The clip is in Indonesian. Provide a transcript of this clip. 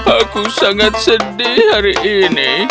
aku sangat sedih hari ini